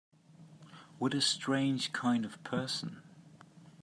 What a strange kind of person!